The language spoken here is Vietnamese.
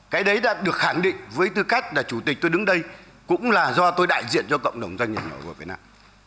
cái đấy đã được khẳng định với tư cách là chủ tịch tôi đứng đây cũng là do tôi đại diện cho cộng đồng doanh nghiệp nhỏ và vừa việt nam